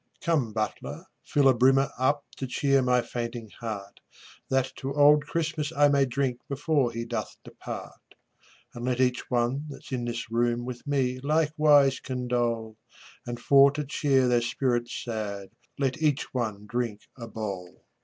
Come, butler, fill a brimmer up To cheer my fainting heart, That to old Christmas I may drink Before he doth depart; And let each one that's in this room With me likewise condole, And for to cheer their spirits sad Let each one drink a bowl.